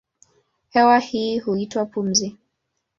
Hewa hii huitwa pumzi.